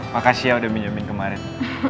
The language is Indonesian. makasih ya udah minjemin kemarin